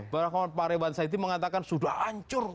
padahal pak rebat sby mengatakan sudah hancur